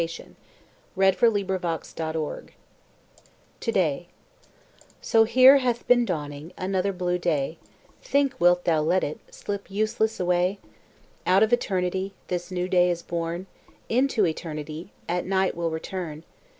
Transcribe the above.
Governor General of Canada THIRD READER TO DAY So here hath been dawning Another blue day; Think, wilt thou let it Slip useless away? Out of Eternity This new day is born; Into Eternity At night will return.